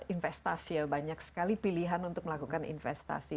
investasi ya banyak sekali pilihan untuk melakukan investasi